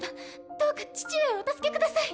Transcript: どうか父上をお助けください。